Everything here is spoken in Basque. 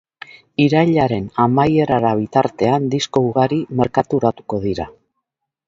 Irailaren amaierara bitartean disko ugari mertauratuko dira.